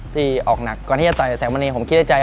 ที่ออกหนักก่อนที่จะต่อยแสงมณีผมคิดในใจ